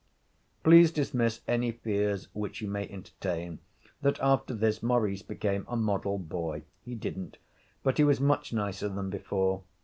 Please dismiss any fears which you may entertain that after this Maurice became a model boy. He didn't. But he was much nicer than before.